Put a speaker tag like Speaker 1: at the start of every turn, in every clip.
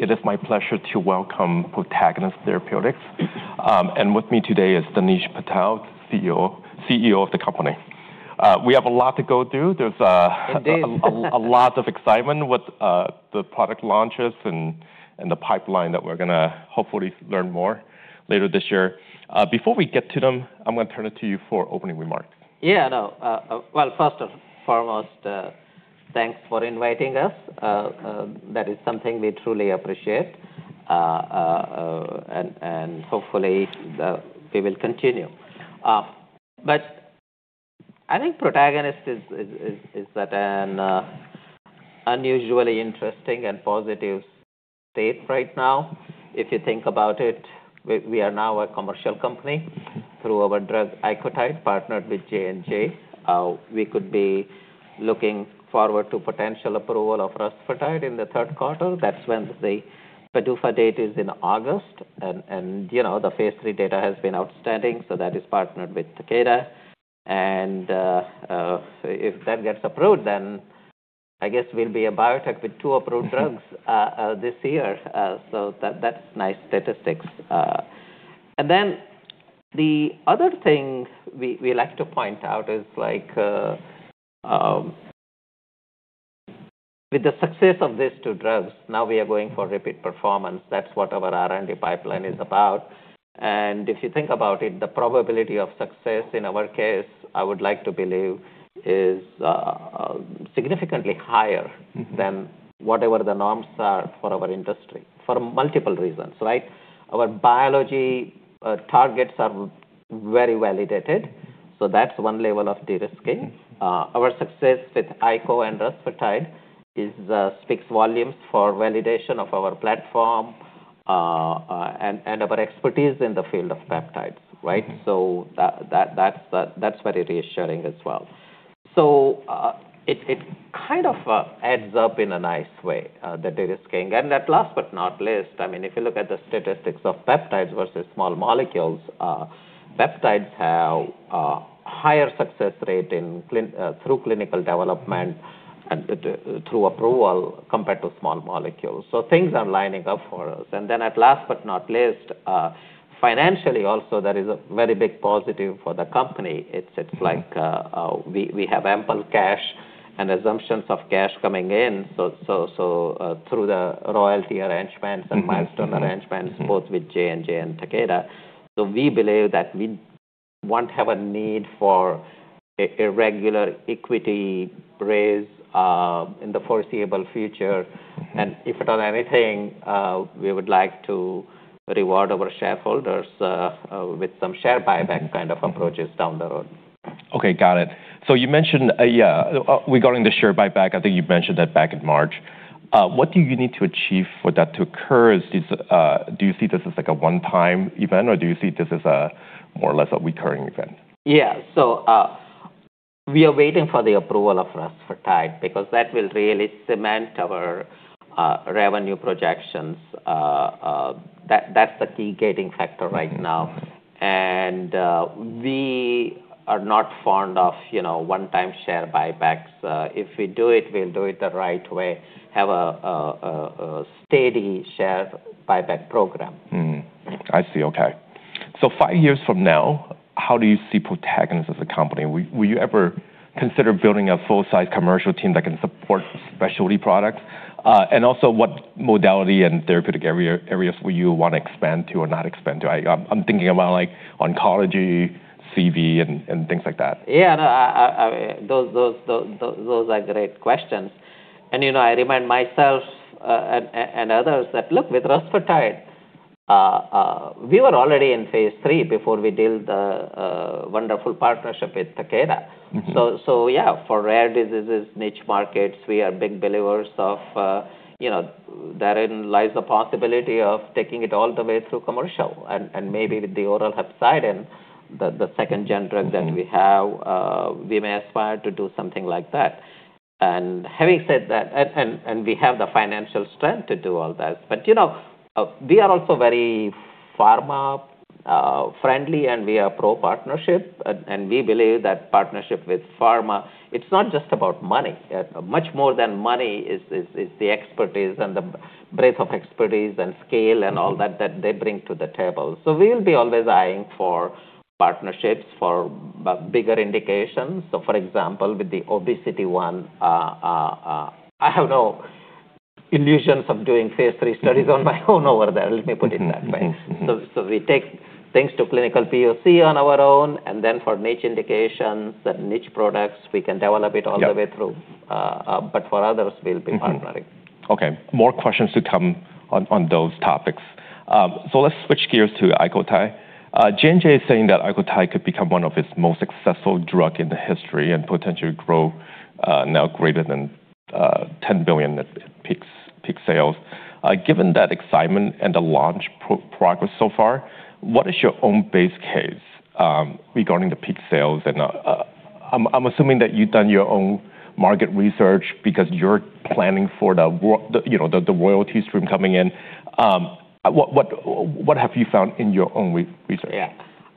Speaker 1: It is my pleasure to welcome Protagonist Therapeutics. With me today is Dinesh Patel, CEO of the company. We have a lot to go through.
Speaker 2: Indeed.
Speaker 1: There's a lot of excitement with the product launches and the pipeline that we're going to hopefully learn more later this year. Before we get to them, I'm going to turn it to you for opening remarks.
Speaker 2: Yeah, no. Well, first and foremost, thanks for inviting us. That is something we truly appreciate, and hopefully we will continue. I think Protagonist is at an unusually interesting and positive state right now. If you think about it, we are now a commercial company through our drug, Icotyde, partnered with J&J. We could be looking forward to potential approval of Rusfertide in the third quarter. That's when the PDUFA date is in August, and the phase III data has been outstanding, so that is partnered with Takeda. If that gets approved, I guess we'll be a biotech with two approved drugs this year. That's nice statistics. The other thing we like to point out is with the success of these two drugs, now we are for repeat performance. That's what our R&D pipeline is about. If you think about it, the probability of success in our case, I would like to believe, is significantly higher than whatever the norms are for our industry, for multiple reasons, right? Our biology targets are very validated, that's one level of de-risking. Our success with Ico and Rusfertide speaks volumes for validation of our platform, and our expertise in the field of peptides, right? That's very reassuring as well. It kind of adds up in a nice way, the de-risking. At last but not least, if you look at the statistics of peptides versus small molecules, peptides have a higher success rate through clinical development and through approval compared to small molecules. Things are lining up for us. At last but not least, financially also, there is a very big positive for the company. It's like we have ample cash and assumptions of cash coming in, through the royalty arrangements and milestone arrangements, both with J&J and Takeda. We believe that we won't have a need for a regular equity raise in the foreseeable future. If at anything, we would like to reward our shareholders with some share buyback kind of approaches down the road.
Speaker 1: Okay, got it. You mentioned, regarding the share buyback, I think you mentioned that back in March. What do you need to achieve for that to occur? Do you see this as a one-time event, or do you see this as a more or less a recurring event?
Speaker 2: Yeah. We are waiting for the approval of Rusfertide, because that will really cement our revenue projections. That's the key gating factor right now. We are not fond of one-time share buybacks. If we do it, we'll do it the right way, have a steady share buyback program.
Speaker 1: I see. Okay. Five years from now, how do you see Protagonist as a company? Will you ever consider building a full-size commercial team that can support specialty products? Also, what modality and therapeutic areas will you want to expand to or not expand to? I'm thinking about oncology, CV, and things like that.
Speaker 2: I remind myself, and others that look, with Rusfertide, we were already in phase III before we did the wonderful partnership with Takeda. Yeah, for rare diseases, niche markets, we are big believers of, therein lies the possibility of taking it all the way through commercial and maybe with the oral hepcidin and the second gen drug that we have, we may aspire to do something like that. Having said that, we have the financial strength to do all that. We are also very pharma friendly, and we are pro-partnership. We believe that partnership with pharma, it's not just about money. Much more than money is the expertise and the breadth of expertise and scale and all that they bring to the table. We'll be always eying for partnerships for bigger indications. For example, with the obesity one, I have no illusions of doing phase III studies on my own over there, let me put it that way. We take things to clinical POC on our own, and then for niche indications and niche products, we can develop it all the way through.
Speaker 1: Yeah.
Speaker 2: For others, we'll be partnering.
Speaker 1: Okay. More questions to come on those topics. Let's switch gears to Icotyde. J&J is saying that Icotyde could become one of its most successful drug in the history and potentially grow now greater than $10 billion at peak sales. Given that excitement and the launch progress so far, what is your own base case regarding the peak sales? I'm assuming that you've done your own market research because you're planning for the royalties from coming in. What have you found in your own research?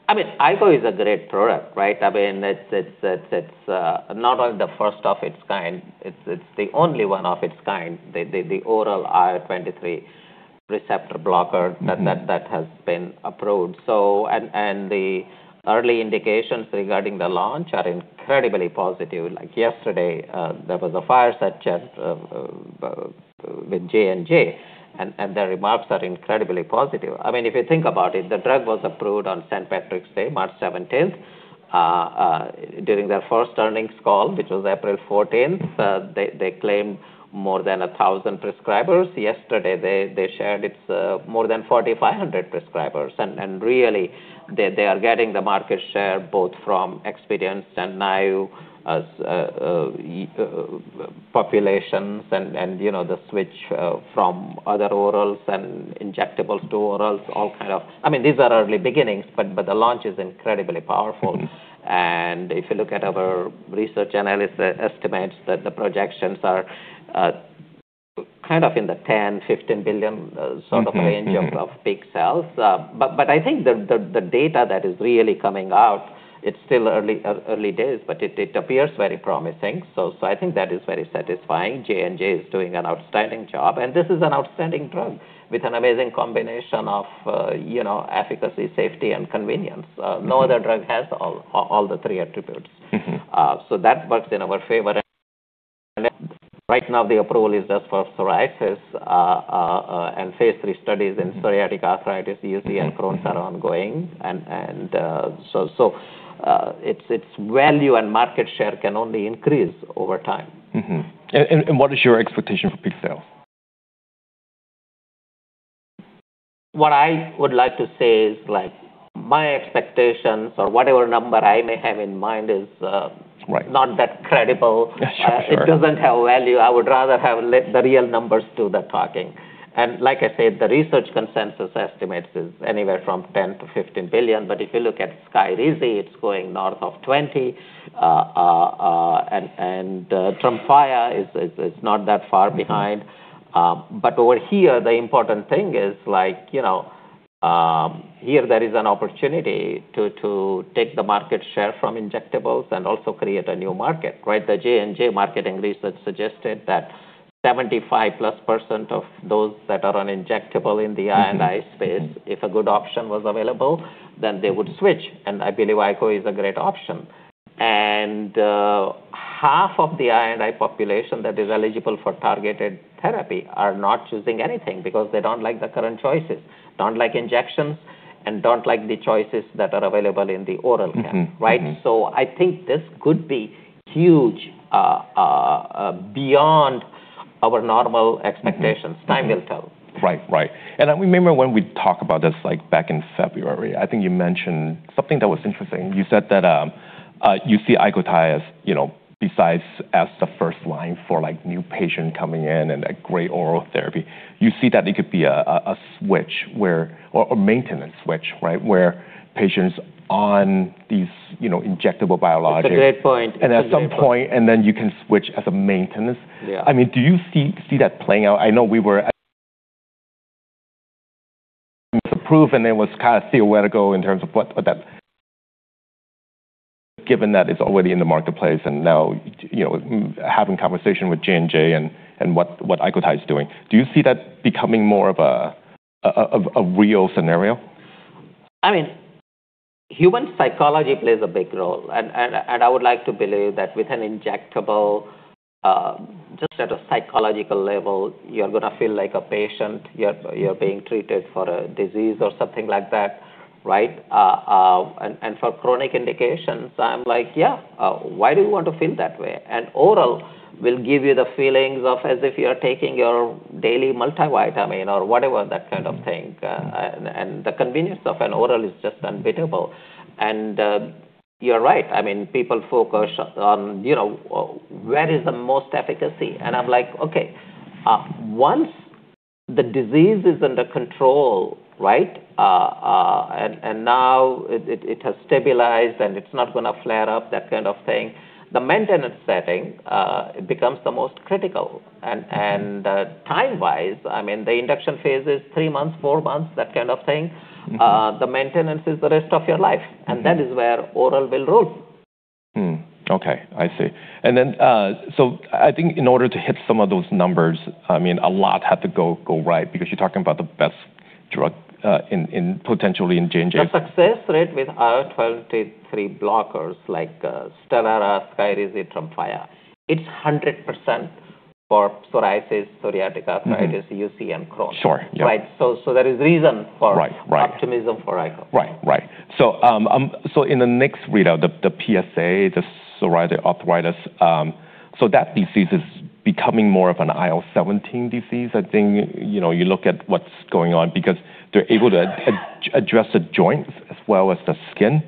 Speaker 2: Ico is a director, right? It's not only the first of its kind, it's the only one of its kind, the oral IL-23 receptor blocker that has been approved. The early indications regarding the launch are incredibly positive. Like yesterday, there was a fireside chat with J&J, the remarks are incredibly positive. If you think about it, the drug was approved on St. Patrick's Day, March 17th. During their first earnings call, which was April 14th, they claimed more than 1,000 prescribers. Yesterday, they shared it's more than 4,500 prescribers. Really, they are getting the market share both from experienced and naive populations and the switch from other orals and injectables to orals. These are early beginnings, the launch is incredibly powerful. If you look at our research analyst estimates that the projections are in the $10 billion-$15 billion sort of range of peak sales. I think the data that is really coming out, it's still early days, it appears very promising. I think that is very satisfying. J&J is doing an outstanding job, this is an outstanding drug with an amazing combination of efficacy, safety, and convenience. No other drug has all the three attributes. That works in our favor. Right now, the approval is just for psoriasis, and phase III studies in psoriatic arthritis, UC, and Crohn's are ongoing. Its value and market share can only increase over time.
Speaker 1: What is your expectation for peak sale?
Speaker 2: What I would like to say is my expectations or whatever number I may have in mind
Speaker 1: Right
Speaker 2: not that credible.
Speaker 1: Sure.
Speaker 2: It doesn't have value. I would rather have let the real numbers do the talking. Like I said, the research consensus estimates is anywhere from $10 billion-$15 billion. If you look at Skyrizi, it's going north of $20 billion, and TREMFYA is not that far behind. Over here, the important thing is here, there is an opportunity to take the market share from injectables and also create a new market, right? The J&J marketing research suggested that 75%+ of those that are on injectable in the I&I space, if a good option was available, then they would switch, and I believe IKO is a great option. Half of the I&I population that is eligible for targeted therapy are not choosing anything because they don't like the current choices, don't like injections, and don't like the choices that are available in the oral care, right? I think this could be huge beyond our normal expectations. Time will tell.
Speaker 1: Right. I remember when we talked about this back in February, I think you mentioned something that was interesting. You said that you see Icotyde, besides as the first line for new patient coming in and a great oral therapy, you see that it could be a switch or a maintenance switch, right, where patients on these injectable biologics.
Speaker 2: At some point
Speaker 1: At some point, and then you can switch as a maintenance.
Speaker 2: Yeah.
Speaker 1: Do you see that playing out? I know we were approved, and it was theoretical in terms of what that given that it's already in the marketplace and now, having conversation with J&J and what Icotyde is doing. Do you see that becoming more of a real scenario?
Speaker 2: Human psychology plays a big role, and I would like to believe that with an injectable, just at a psychological level, you're going to feel like a patient, you're being treated for a disease or something like that, right? For chronic indications, I'm like, "Yeah, why do you want to feel that way?" Oral will give you the feelings of as if you're taking your daily multivitamin or whatever, that kind of thing. The convenience of an oral is just unbeatable. You're right, people focus on where is the most efficacy. I'm like, "Okay, once the disease is under control, and now it has stabilized, and it's not going to flare up, that kind of thing, the maintenance setting becomes the most critical." Time-wise, the induction phase is three months, four months, that kind of thing. The maintenance is the rest of your life, and that is where oral will rule.
Speaker 1: Okay. I see. I think in order to hit some of those numbers, a lot had to go right because you're talking about the best drug potentially in J&J.
Speaker 2: The success rate with IL-23 blockers like Stelara, Skyrizi, TREMFYA, it's 100% for psoriasis, psoriatic arthritis, UC, and Crohn's.
Speaker 1: Sure. Yeah.
Speaker 2: There is reason for
Speaker 1: Right
Speaker 2: optimism for IKO.
Speaker 1: Right. In the next readout, the PSA, the psoriatic arthritis, that disease is becoming more of an IL-17 disease, I think. You look at what's going on because they're able to address the joints as well as the skin.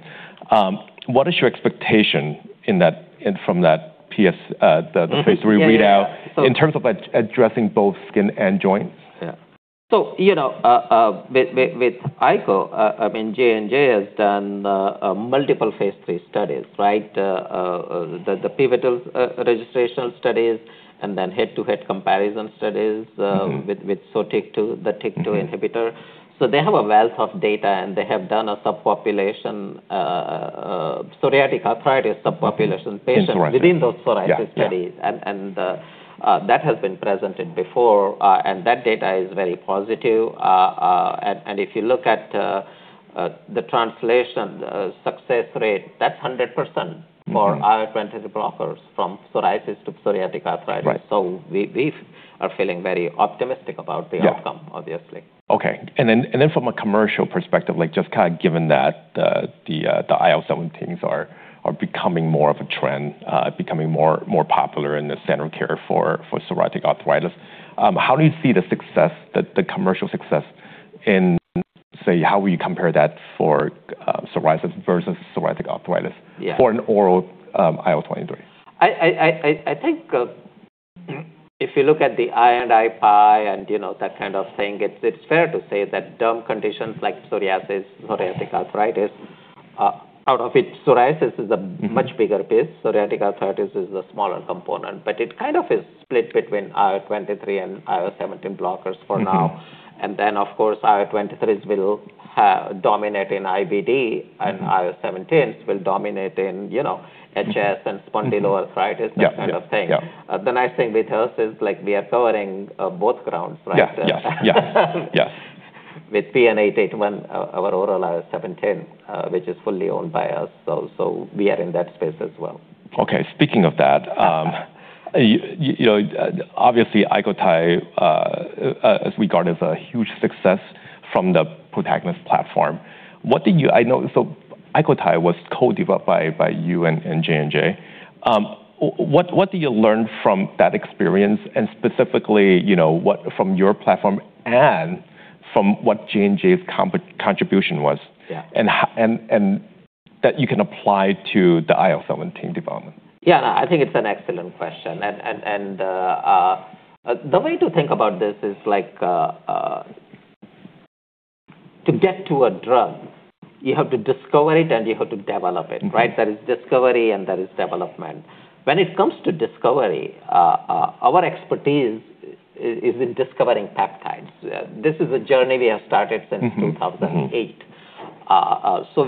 Speaker 1: What is your expectation from that phase III readout?
Speaker 2: Yeah
Speaker 1: In terms of addressing both skin and joints?
Speaker 2: Yeah. With Ico, J&J has done multiple phase III studies, right? The pivotal registration studies and then head-to-head comparison studies. With SOTYKTU, the TYK2 inhibitor. They have a wealth of data, and they have done a psoriatic arthritis subpopulation patient.
Speaker 1: In psoriasis
Speaker 2: within those psoriasis studies.
Speaker 1: Yeah.
Speaker 2: That has been presented before, and that data is very positive. If you look at the translation success rate, that's 100%. For IL-23 blockers from psoriasis to psoriatic arthritis.
Speaker 1: Right.
Speaker 2: We are feeling very optimistic about the outcome.
Speaker 1: Yeah
Speaker 2: obviously.
Speaker 1: Okay. From a commercial perspective, just kind of given that the IL-17s are becoming more of a trend, becoming more popular in the standard care for psoriatic arthritis, how do you see the commercial success in, say, how we compare that for psoriasis versus psoriatic arthritis.
Speaker 2: Yeah
Speaker 1: for an oral IL-23?
Speaker 2: I think if you look at the I&I pie and that kind of thing, it's fair to say that term conditions like psoriasis, psoriatic arthritis, out of it, psoriasis is a much bigger piece. Psoriatic arthritis is the smaller component, but it kind of is split between IL-23 and IL-17 blockers for now. Of course, IL-23s will dominate in IBD, and IL-17s will dominate in HS and spondyloarthritis, that kind of thing.
Speaker 1: Yeah.
Speaker 2: The nice thing with us is we are covering both grounds, right?
Speaker 1: Yeah. Yes.
Speaker 2: With PN-881, our oral IL-17, which is fully owned by us, we are in that space as well.
Speaker 1: Okay, speaking of that, obviously Icotyde is regarded as a huge success from the Protagonist platform. Icotyde was co-developed by you and J&J. What did you learn from that experience and specifically, from your platform and from what J&J's contribution was
Speaker 2: Yeah
Speaker 1: that you can apply to the IL-17 development?
Speaker 2: Yeah, I think it's an excellent question. The way to think about this is to get to a drug, you have to discover it, and you have to develop it, right? There is discovery, and there is development. When it comes to discovery, our expertise is in discovering peptides. This is a journey we have started since 2008.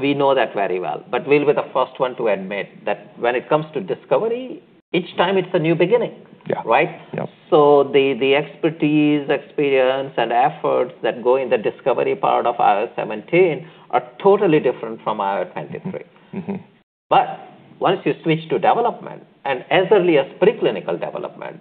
Speaker 2: We know that very well. We'll be the first one to admit that when it comes to discovery, each time, it's a new beginning.
Speaker 1: Yeah.
Speaker 2: Right?
Speaker 1: Yep.
Speaker 2: The expertise, experience, and efforts that go in the discovery part of IL-17 are totally different from IL-23. Once you switch to development, and as early as pre-clinical development.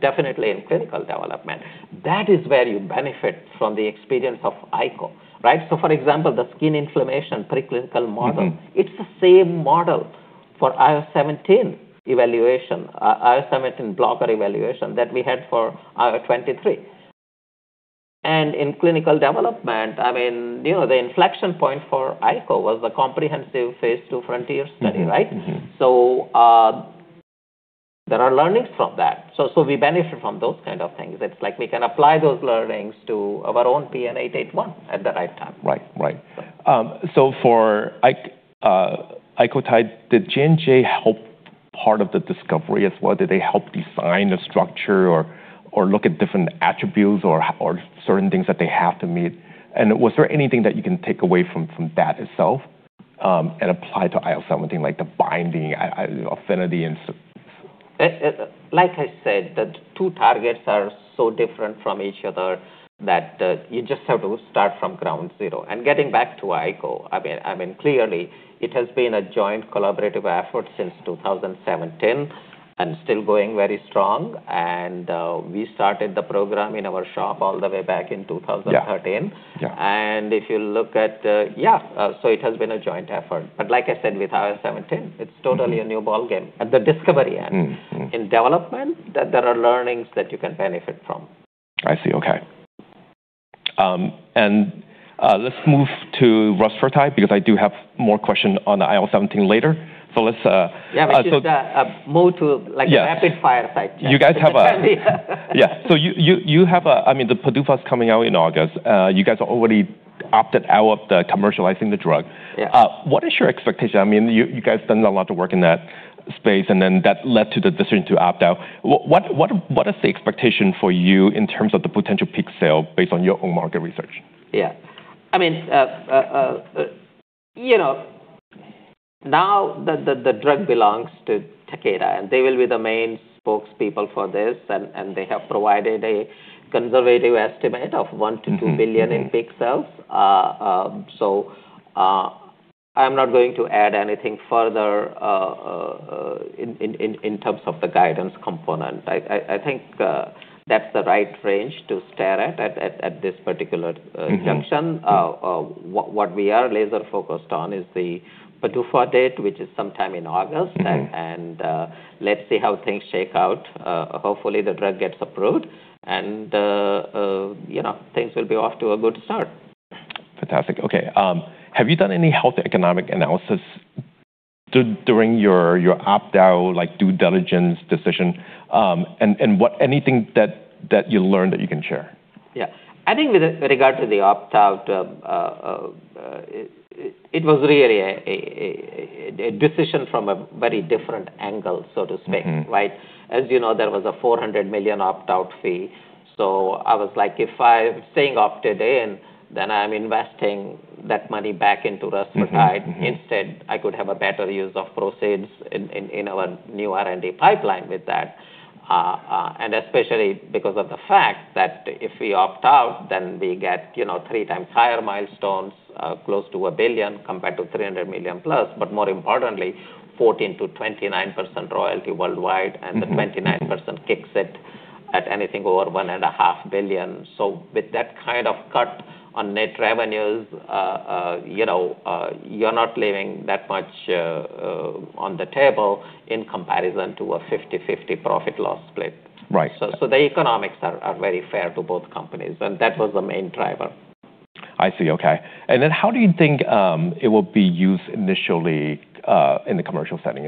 Speaker 2: Definitely in clinical development, that is where you benefit from the experience of Ico, right? For example, the skin inflammation pre-clinical model. It's the same model for IL-17 blocker evaluation that we had for IL-23. In clinical development, the inflection point for Ico was the comprehensive phase II FRONTIER study, right? There are learnings from that. We benefit from those kind of things. It's like we can apply those learnings to our own PN-881 at the right time.
Speaker 1: Right. For Icotyde, did J&J help part of the discovery as well? Did they help design the structure or look at different attributes or certain things that they have to meet? Was there anything that you can take away from that itself, and apply to IL-17, like the binding affinity and so forth?
Speaker 2: Like I said, the two targets are so different from each other that you just have to start from ground zero. Getting back to Ico, clearly it has been a joint collaborative effort since 2017 and still going very strong. We started the program in our shop all the way back in 2013.
Speaker 1: Yeah.
Speaker 2: If you look at-- Yeah, it has been a joint effort, like I said, with IL-17, it's totally a new ballgame at the discovery end. In development, there are learnings that you can benefit from.
Speaker 1: I see. Okay. Let's move to Rusfertide, because I do have more question on the IL-17 later.
Speaker 2: Yeah, we should move to rapid fire type questions.
Speaker 1: Yeah. The PDUFA's coming out in August. You guys already opted out of commercializing the drug.
Speaker 2: Yeah.
Speaker 1: What is your expectation? You guys done a lot of work in that space, then that led to the decision to opt out. What is the expectation for you in terms of the potential peak sale based on your own market research?
Speaker 2: Yeah. The drug belongs to Takeda, and they will be the main spokespeople for this, and they have provided a conservative estimate of $1 billion-$2 billion in peak sales. I'm not going to add anything further in terms of the guidance component. I think that's the right range to stare at this particular junction. What we are laser focused on is the PDUFA date, which is sometime in August. Let's see how things shake out. Hopefully, the drug gets approved, and things will be off to a good start.
Speaker 1: Fantastic. Okay. Have you done any health economic analysis during your opt-out due diligence decision, anything that you learned that you can share?
Speaker 2: Yeah. I think with regard to the opt-out, it was really a decision from a very different angle, so to speak. As you know, there was a $400 million opt-out fee. I was like, if I staying opted in, then I'm investing that money back into Rusfertide. Instead, I could have a better use of proceeds in our new R&D pipeline with that. Especially because of the fact that if we opt out, then we get three times higher milestones, close to $1 billion compared to $300 million+. More importantly, 14%-29% royalty worldwide. The 29% kicks it at anything over $1.5 billion. With that kind of cut on net revenues, you're not leaving that much on the table in comparison to a 50/50 profit loss split.
Speaker 1: Right.
Speaker 2: The economics are very fair to both companies, and that was the main driver.
Speaker 1: I see. Okay. How do you think it will be used initially, in the commercial setting?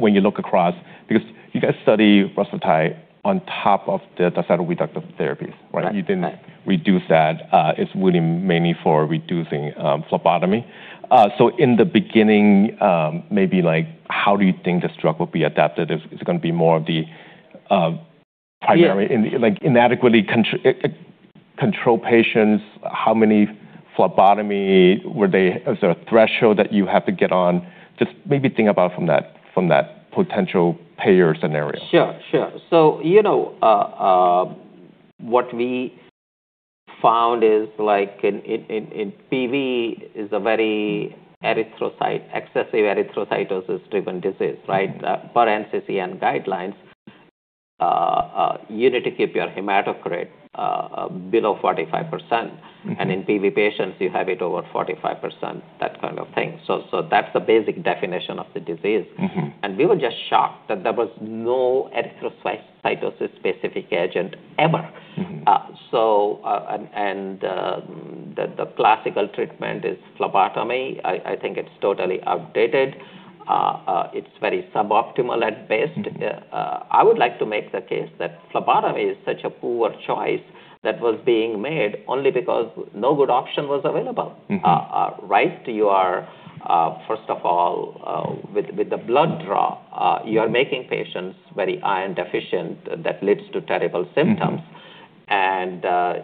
Speaker 1: When you look across, because you guys study Rusfertide on top of the cytoreductive therapies, right?
Speaker 2: Right.
Speaker 1: You didn't reduce that. It's really mainly for reducing phlebotomy. In the beginning, maybe how do you think this drug will be adapted? Is it going to be more of the primary-
Speaker 2: Yeah
Speaker 1: inadequately controlled patients? How many phlebotomy? Is there a threshold that you have to get on? Just maybe think about from that potential payer scenario.
Speaker 2: Sure. What we found is in PV, is a very excessive erythrocytosis-driven disease, right? For NCCN and guidelines, you need to keep your hematocrit below 45%. In PV patients, you have it over 45%, that kind of thing. That's the basic definition of the disease. We were just shocked that there was no erythrocytosis specific agent ever. The classical treatment is phlebotomy. I think it's totally outdated. It's very suboptimal at best. I would like to make the case that phlebotomy is such a poor choice that was being made only because no good option was available. Right? First of all, with the blood draw, you are making patients very iron deficient. That leads to terrible symptoms.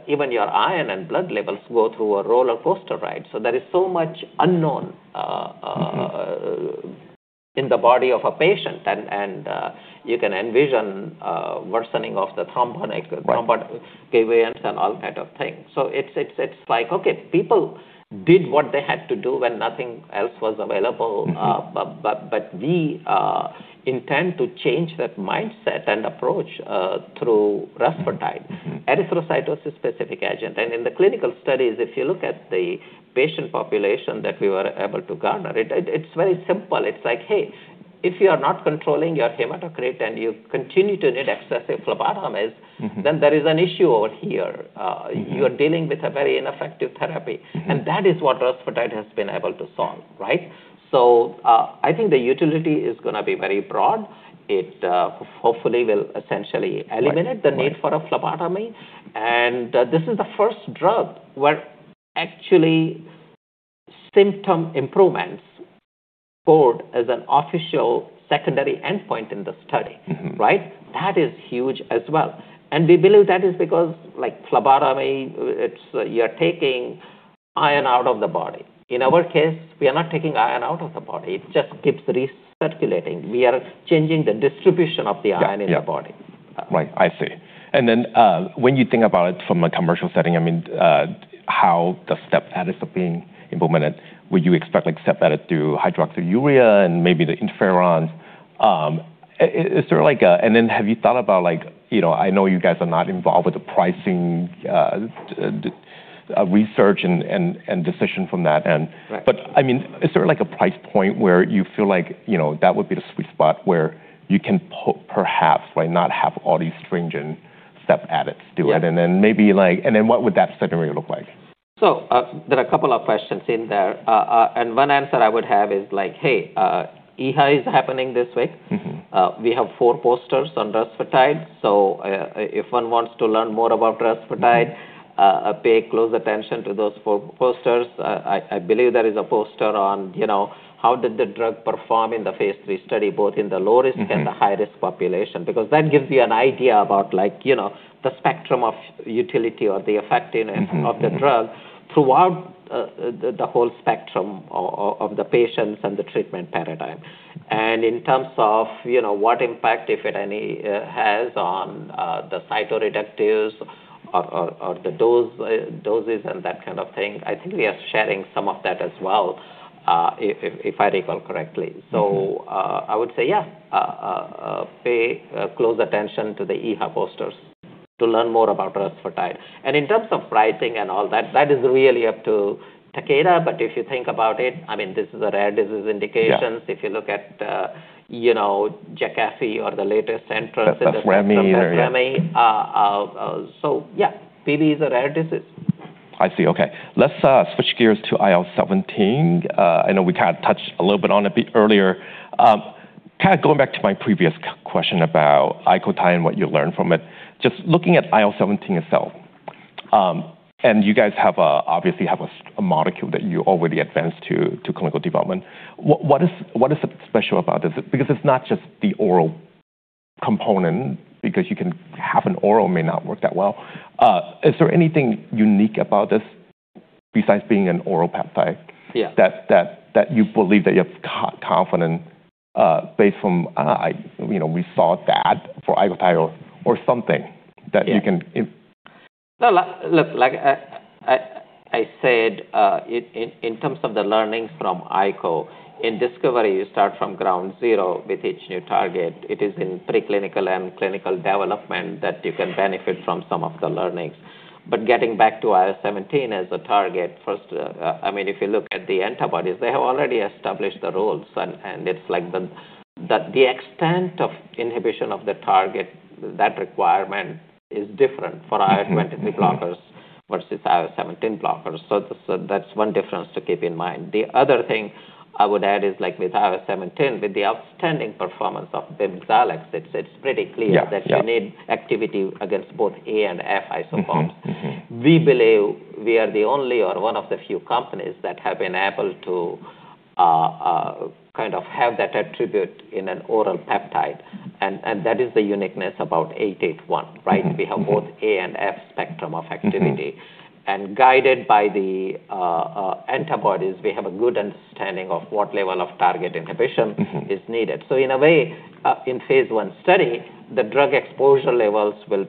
Speaker 2: Even your iron and blood levels go through a rollercoaster ride. There is so much unknown. In the body of a patient you can envision worsening of the thrombotic-
Speaker 1: Right
Speaker 2: Thrombus giveaways and all kind of things. It's like, okay, people did what they had to do when nothing else was available. We intend to change that mindset and approach through Rusfertide. Erythrocytosis specific agent. In the clinical studies, if you look at the patient population that we were able to garner, it's very simple. It's like, hey, if you are not controlling your hematocrit and you continue to need excessive phlebotomies- There is an issue over here. You are dealing with a very ineffective therapy. That is what Rusfertide has been able to solve, right? I think the utility is going to be very broad. It hopefully will essentially eliminate-
Speaker 1: Right
Speaker 2: the need for a phlebotomy. This is the first drug where actually symptom improvements scored as an official secondary endpoint in the study. Right? That is huge as well. We believe that is because phlebotomy, you're taking iron out of the body. In our case, we are not taking iron out of the body. It just keeps recirculating. We are changing the distribution of the iron.
Speaker 1: Yeah
Speaker 2: in the body.
Speaker 1: Right. I see. When you think about it from a commercial setting, how the step edits are being implemented, would you expect step edit through hydroxyurea and maybe the interferons? Have you thought about, I know you guys are not involved with the pricing research and decision from that.
Speaker 2: Right
Speaker 1: Is there a price point where you feel like that would be the sweet spot where you can perhaps not have all these stringent step edits to it?
Speaker 2: Yeah.
Speaker 1: What would that scenario look like?
Speaker 2: There are a couple of questions in there, and one answer I would have is, hey, EHA is happening this week. We have four posters on Rusfertide. If one wants to learn more about Rusfertide, pay close attention to those four posters. I believe there is a poster on how did the drug perform in the phase III study, both in the low risk and the high risk population. That gives you an idea about the spectrum of utility or the effectiveness of the drug throughout the whole spectrum of the patients and the treatment paradigm. In terms of what impact, if at any, it has on the cytoreductives or the doses and that kind of thing, I think we are sharing some of that as well, if I recall correctly. I would say yeah, pay close attention to the EHA posters to learn more about Rusfertide. In terms of pricing and all that is really up to Takeda. If you think about it, this is a rare disease indication.
Speaker 1: Yeah.
Speaker 2: If you look at Jakafi or the latest entrance.
Speaker 1: Yes, the Remi or yeah.
Speaker 2: Remi. Yeah, PV is a rare disease.
Speaker 1: I see. Okay. Let's switch gears to IL-17. I know we kind of touched a little bit on it a bit earlier. Going back to my previous question about Icotyde and what you learned from it, just looking at IL-17 itself, and you guys obviously have a molecule that you already advanced to clinical development. What is special about this? Because it's not just the oral component, because you can have an oral may not work that well. Is there anything unique about this besides being an oral peptide-
Speaker 2: Yeah
Speaker 1: that you believe that you're confident based from, "We saw that for Icotyde or something that you can--
Speaker 2: Yeah. Look, like I said, in terms of the learnings from Ico, in discovery, you start from ground zero with each new target. It is in preclinical and clinical development that you can benefit from some of the learnings. Getting back to IL-17 as a target, first, if you look at the antibodies, they have already established the rules, and it's like the extent of inhibition of the target, that requirement is different for IL-23 blockers versus IL-17 blockers. That's one difference to keep in mind. The other thing I would add is like with IL-17, with the outstanding performance of bimekizumab, it's pretty clear that-
Speaker 1: Yeah
Speaker 2: You need activity against both A and F isotypes. We believe we are the only, or one of the few companies that have been able to kind of have that attribute in an oral peptide. That is the uniqueness about 881, right? We have both A and F spectrum of activity. Guided by the antibodies, we have a good understanding of what level of target inhibition is needed. In a way, in phase I study, the drug exposure levels will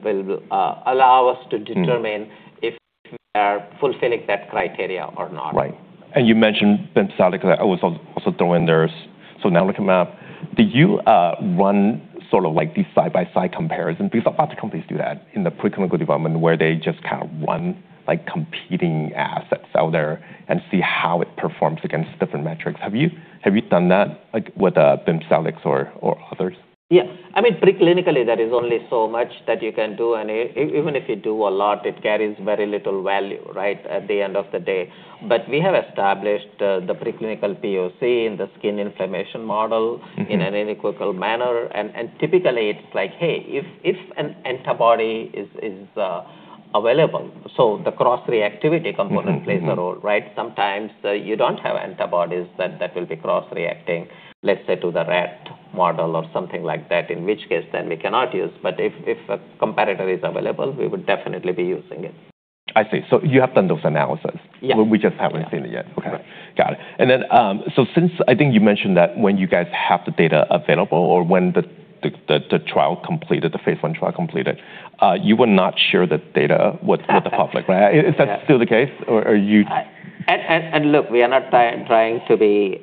Speaker 2: allow us to determine if we are fulfilling that criteria or not.
Speaker 1: Right. You mentioned bimekizumab. I will also throw in there, now looking up, do you run sort of like these side-by-side comparison, a lot of companies do that in the preclinical development, where they just kind of run competing assets out there and see how it performs against different metrics? Have you done that with bimekizumab or others?
Speaker 2: Yeah. Preclinically, there is only so much that you can do, and even if you do a lot, it carries very little value right at the end of the day. We have established the preclinical POC in the skin inflammation model. In an inequitable manner. Typically, it's like, hey, if an antibody is available, so the cross-reactivity component plays a role, right? Sometimes you don't have antibodies that will be cross-reacting, let's say, to the rat model or something like that, in which case then we cannot use. If a comparator is available, we would definitely be using it.
Speaker 1: I see. You have done those analysis.
Speaker 2: Yeah.
Speaker 1: We just haven't seen it yet.
Speaker 2: Yeah.
Speaker 1: Okay. Got it. Since I think you mentioned that when you guys have the data available or when the trial completed, the phase I trial completed, you will not share the data with the public, right?
Speaker 2: Yeah.
Speaker 1: Is that still the case, or are you-
Speaker 2: Look, we are not trying to be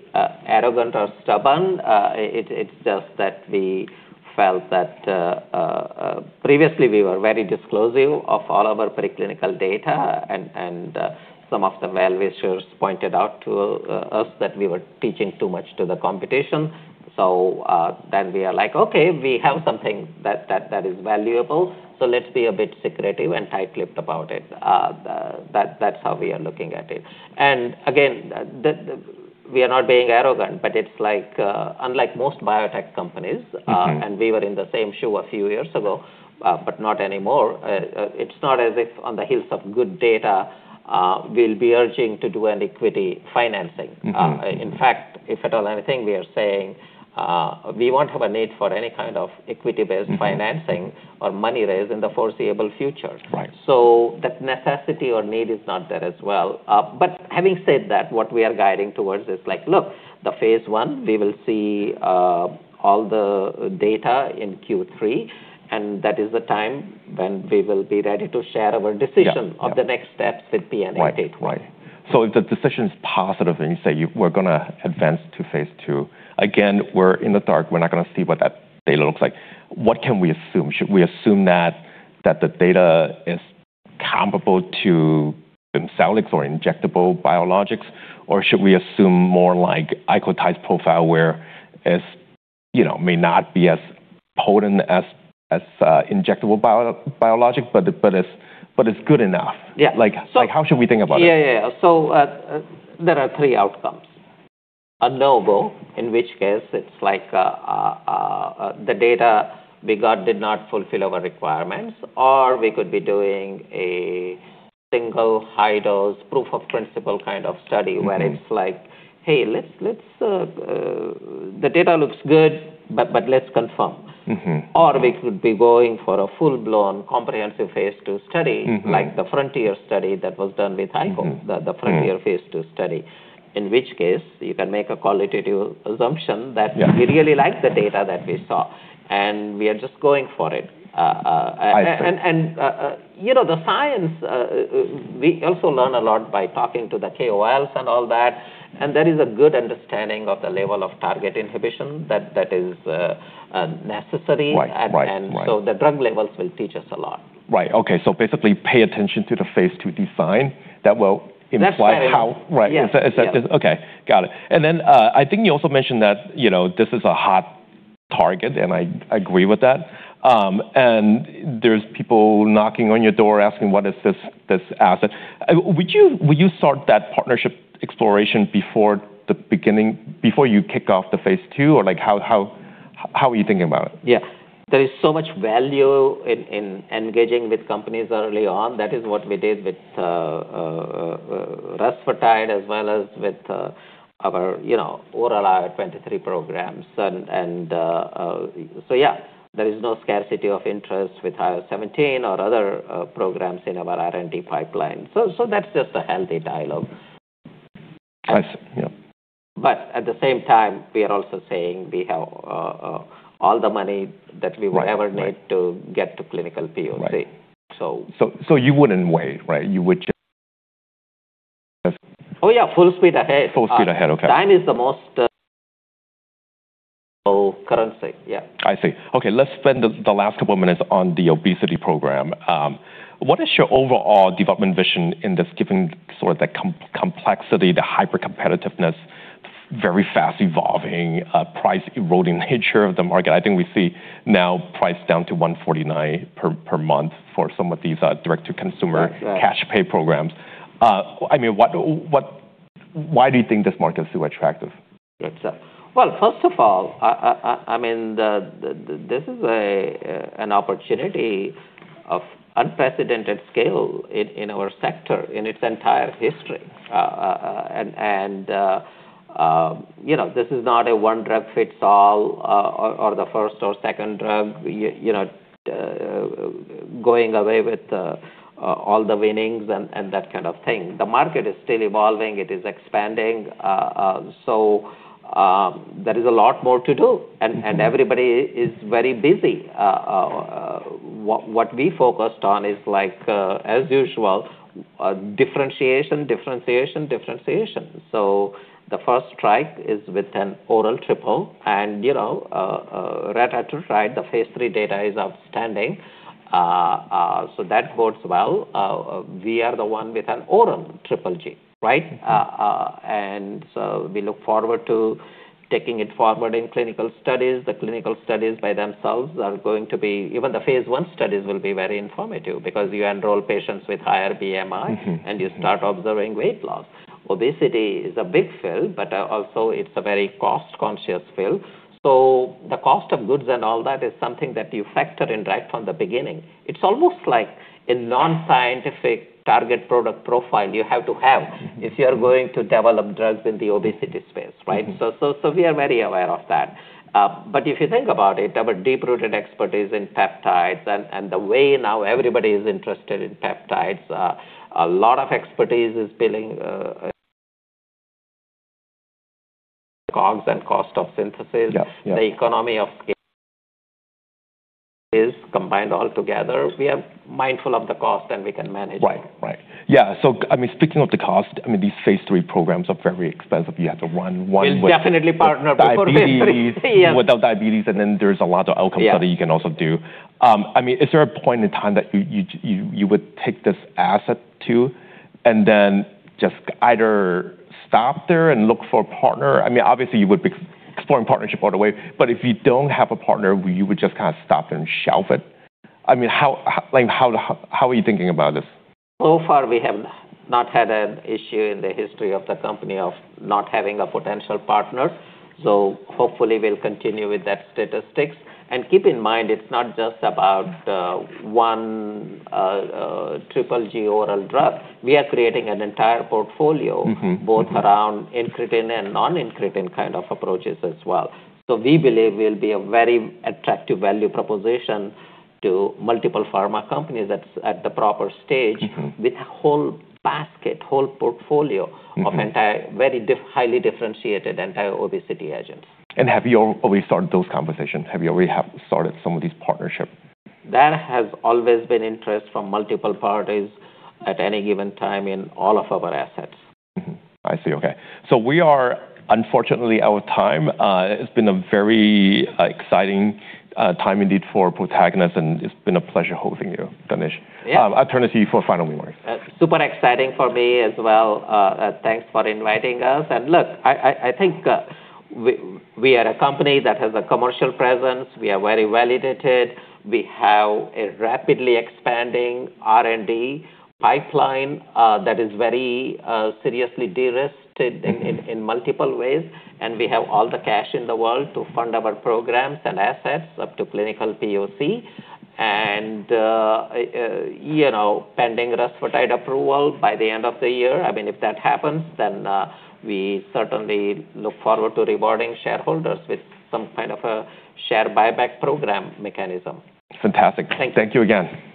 Speaker 2: arrogant or stubborn. It's just that we felt that previously we were very disclosive of all of our preclinical data, and some of the well-wishers pointed out to us that we were teaching too much to the competition. We are like, "Okay, we have something that is valuable, so let's be a bit secretive and tight-lipped about it." That's how we are looking at it. Again, we are not being arrogant, but it's like, unlike most biotech companies. We were in the same shoe a few years ago, but not anymore. It's not as if on the heels of good data, we'll be urging to do an equity financing. In fact, if at all anything, we are saying we won't have a need for any kind of equity-based financing or money raised in the foreseeable future.
Speaker 1: Right.
Speaker 2: That necessity or need is not there as well. Having said that, what we are guiding towards is like, look, the phase I, we will see all the data in Q3, and that is the time when we will be ready to share our decision-
Speaker 1: Yeah
Speaker 2: of the next steps with PN-881.
Speaker 1: Right. If the decision's positive and you say we're going to advance to phase II, again, we're in the dark. We're not going to see what that data looks like. What can we assume? Should we assume that the data is comparable to Bimzelx or injectable biologics, or should we assume more like icotyde's profile where it may not be as potent as injectable biologic, but it's good enough?
Speaker 2: Yeah.
Speaker 1: How should we think about it?
Speaker 2: Yeah. There are three outcomes. A no-go, in which case it's like the data we got did not fulfill our requirements, or we could be doing a single high-dose proof of principle kind of study where it's like, hey, the data looks good, but let's confirm. We could be going for a full-blown comprehensive phase II study, like the FRONTIER study that was done with Ico. The FRONTIER phase II study. In which case, you can make a qualitative assumption that.
Speaker 1: Yeah
Speaker 2: We really like the data that we saw, and we are just going for it.
Speaker 1: I see.
Speaker 2: The science, we also learn a lot by talking to the KOLs and all that, and there is a good understanding of the level of target inhibition that is necessary.
Speaker 1: Right.
Speaker 2: The drug levels will teach us a lot.
Speaker 1: Right. Okay. Basically pay attention to the phase II design. That will imply how-
Speaker 2: That's right.
Speaker 1: Right.
Speaker 2: Yeah.
Speaker 1: Okay. Got it. Then, I think you also mentioned that this is a hot target, and I agree with that. There's people knocking on your door asking, what is this asset? Would you start that partnership exploration before the beginning, before you kick off the phase II? Or how are you thinking about it?
Speaker 2: Yeah. There is so much value in engaging with companies early on. That is what we did with Rusfertide as well as with our oral IL-23 programs. Yeah, there is no scarcity of interest with IL-17 or other programs in our R&D pipeline. That's just a healthy dialogue.
Speaker 1: I see. Yep.
Speaker 2: At the same time, we are also saying we have all the money that we will ever-
Speaker 1: Right
Speaker 2: need to get to clinical POC.
Speaker 1: Right.
Speaker 2: So.
Speaker 1: You wouldn't wait, right? You would just
Speaker 2: Oh yeah, full speed ahead.
Speaker 1: Full speed ahead, okay.
Speaker 2: Time is the most crucial currency. Yeah.
Speaker 1: I see. Okay, let's spend the last couple minutes on the obesity program. What is your overall development vision in this, given sort of the complexity, the hyper-competitiveness, very fast evolving, price eroding nature of the market? I think we see now price down to $149 per month for some of these direct to consumer-
Speaker 2: That's right
Speaker 1: Cash pay programs. Why do you think this market is so attractive?
Speaker 2: Good stuff. Well, first of all, this is an opportunity of unprecedented scale in our sector, in its entire history. This is not a one drug fits all, or the first or second drug going away with all the winnings and that kind of thing. The market is still evolving, it is expanding. There is a lot more to do, and everybody is very busy. What we focused on is, as usual, differentiation. The first strike is with an oral triple and retatrutide, the phase III data is outstanding. That bodes well. We are the one with an oral GGG. We look forward to taking it forward in clinical studies. The clinical studies by themselves. Even the phase I studies will be very informative because you enroll patients with higher BMI. You start observing weight loss. Obesity is a big field, but also it's a very cost-conscious field. The cost of goods and all that is something that you factor in right from the beginning. It's almost like a non-scientific target product profile you have to have if you're going to develop drugs in the obesity space, right? We are very aware of that. If you think about it, our deep-rooted expertise in peptides and the way now everybody is interested in peptides, a lot of expertise is building COGS and cost of synthesis.
Speaker 1: Yeah.
Speaker 2: The economy of scale is combined all together. We are mindful of the cost, and we can manage it.
Speaker 1: Right. Yeah, speaking of the cost, these phase III programs are very expensive. You have to run one with-
Speaker 2: We'll definitely partner before phase III. Yeah
Speaker 1: diabetes, without diabetes, there's a lot of outcome study you can also do.
Speaker 2: Yeah.
Speaker 1: Is there a point in time that you would take this asset to and then just either stop there and look for a partner? Obviously you would be exploring partnership all the way, but if you don't have a partner, you would just kind of stop and shelf it. How are you thinking about this?
Speaker 2: Far, we have not had an issue in the history of the company of not having a potential partner. Hopefully we'll continue with that statistic. Keep in mind, it's not just about one GGG oral drug. We are creating an entire portfolio- Both around incretin and non-incretin kind of approaches as well. We believe we'll be a very attractive value proposition to multiple pharma companies that's at the proper stage with a whole basket, whole portfolio of very highly differentiated anti-obesity agents.
Speaker 1: Have you already started those conversations? Have you already started some of these partnerships?
Speaker 2: There has always been interest from multiple parties at any given time in all of our assets.
Speaker 1: I see. Okay. We are unfortunately out of time. It's been a very exciting time indeed for Protagonist, and it's been a pleasure hosting you, Dinesh.
Speaker 2: Yeah.
Speaker 1: I turn to you for final remarks.
Speaker 2: Super exciting for me as well. Thanks for inviting us. Look, I think we are a company that has a commercial presence. We are very validated. We have a rapidly expanding R&D pipeline that is very seriously de-risked in multiple ways. We have all the cash in the world to fund our programs and assets up to clinical POC. Pending Rusfertide approval by the end of the year, if that happens, then we certainly look forward to rewarding shareholders with some kind of a share buyback program mechanism.
Speaker 1: Fantastic.
Speaker 2: Thank you.
Speaker 1: Thank you again.